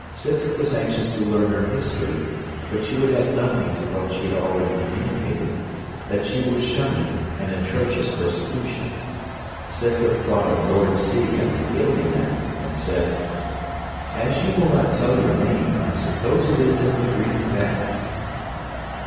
Scythrop was anxious to learn her history; but she would add nothing to what she had already communicated, that she was shunning an atrocious persecution. Scythrop thought of Lord C. and the Alien Act, and said, 'As you will not tell your name, I suppose it is in the green bag.'